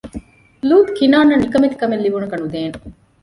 ލޫޠު ކިނާންއަށް ނިކަމެތި ކަމެއް ލިބުނަކަ ނުދޭނެ